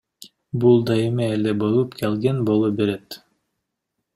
Бул дайыма эле болуп келген, боло берет.